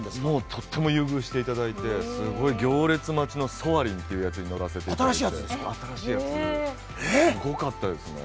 とっても優遇していただいて行列待ちのソアリンというやつに乗らせていただいて新しいやつですごかったですね。